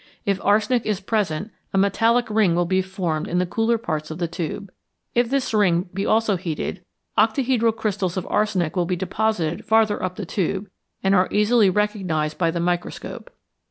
If arsenic is present, a metallic ring will be formed in the cooler parts of the tube. If this ring be also heated, octahedral crystals of arsenic will be deposited farther up the tube, and are easily recognized by the microscope.